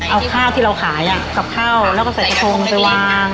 เอาข้าวที่เราขายกับข้าวแล้วก็ใส่กระทงไปวาง